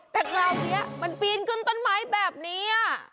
แต่คราวนี้มันปีนขึ้นต้นไม้แบบนี้